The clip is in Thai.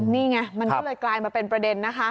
นี่ไงมันก็เลยกลายมาเป็นประเด็นนะคะ